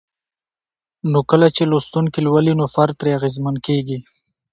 نو کله چې لوستونکي لولي نو فرد ترې اغېزمن کيږي